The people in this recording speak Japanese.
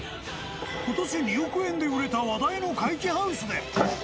今年２億円で売れた話題の怪奇ハウスで。